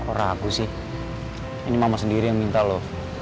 kok ragu sih ini mama sendiri yang minta loh